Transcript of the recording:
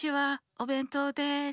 おべんとうです。